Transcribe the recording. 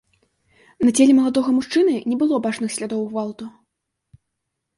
На целе маладога мужчыны не было бачных слядоў гвалту.